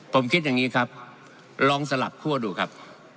ผมคิดอย่างนี้ครับลองสลับคั่วดูครับ